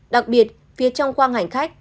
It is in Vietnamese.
đặc biệt phía trong khoang hành khách